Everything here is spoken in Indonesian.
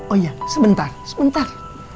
oh iya sebentar sebentar